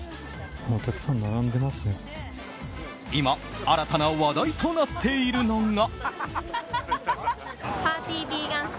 今、新たな話題となっているのが。